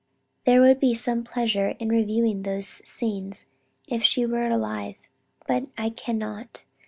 There would be some pleasure in reviewing those scenes if she were alive; now I can not.